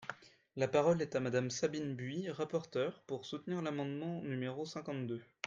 La parole est à Madame Sabine Buis, rapporteure, pour soutenir l’amendement numéro cinquante-deux.